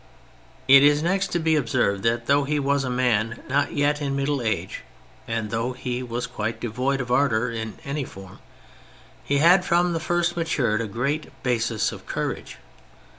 It is next to be observed that though he was a man not yet in middle age, and though he was quite devoid of ardour in any form, he had from the first matured a great basis of courage.